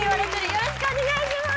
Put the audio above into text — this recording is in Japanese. よろしくお願いします！